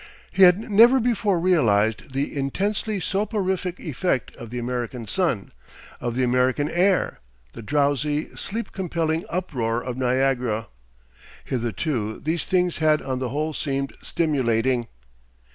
He had never before realised the intensely soporific effect of the American sun, of the American air, the drowsy, sleep compelling uproar of Niagara. Hitherto these things had on the whole seemed stimulating....